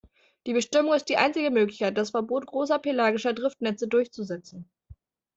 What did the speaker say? Die Bestimmung ist die einzige Möglichkeit, das Verbot großer pelagischer Driftnetze durchzusetzen.